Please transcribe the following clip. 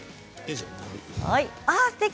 すてき。